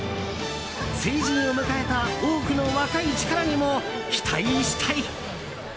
成人を迎えた多くの若い力にも期待したい。